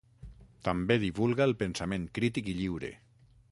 També divulga el pensament crític i lliure.